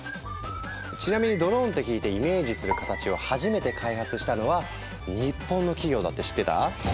ちなみにドローンって聞いてイメージする形を初めて開発したのは日本の企業だって知ってた？